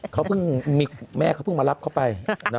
เขาเพิ่งมีแม่เขาเพิ่งมารับเขาไป